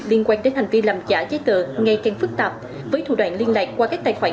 liên quan đến hành vi làm giả giấy tờ ngay càng phức tạp với thủ đoạn liên lạc qua các tài khoản